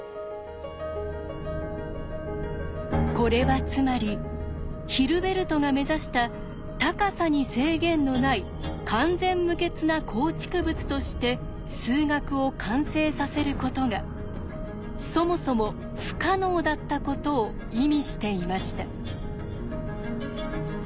これはつまりヒルベルトが目指した高さに制限のない完全無欠な構築物として数学を完成させることがそもそも不可能だったことを意味していました。